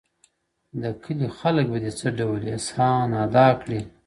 د کلې خلگ به دي څه ډول احسان ادا کړې،